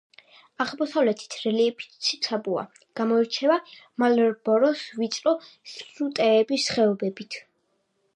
აღმოსავლეთით რელიეფი ციცაბოა, გამოირჩევა მარლბოროს ვიწრო სრუტეების ხეობებით.